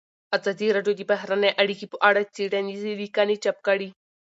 ازادي راډیو د بهرنۍ اړیکې په اړه څېړنیزې لیکنې چاپ کړي.